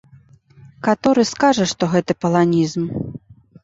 Каторы скажа, што гэта паланізм.